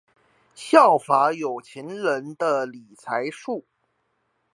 效法有錢人的理財術